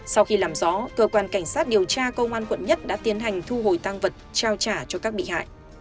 sau khi làm rõ cơ quan cảnh sát điều tra công an quận một đã tiến hành thu hồi tăng vật trao trả cho các bị hại